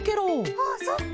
あそっか！